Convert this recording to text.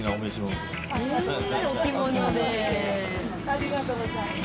ありがとうございます。